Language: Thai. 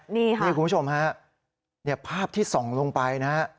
นี่คุณผู้ชมฮะภาพที่ส่องลงไปนะฮะ